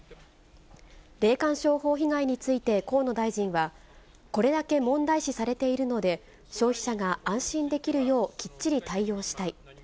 霊感商法被害について河野大臣は、これだけ問題視されているので、消費者が安心できるよう、きっちり対応したい。